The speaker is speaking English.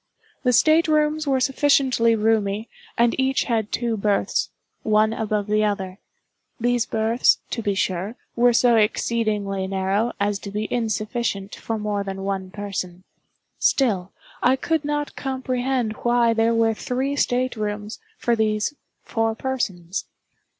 The state rooms were sufficiently roomy, and each had two berths, one above the other. These berths, to be sure, were so exceedingly narrow as to be insufficient for more than one person; still, I could not comprehend why there were three state rooms for these four persons.